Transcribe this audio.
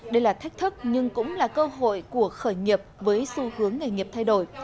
đây là thách thức nhưng cũng là cơ hội của khởi nghiệp với xu hướng nghề nghiệp thay đổi